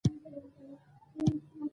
د خپلې کورنۍ د استقامت یو لامل اوسه